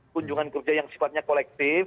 kunjungan kerja yang sifatnya kolektif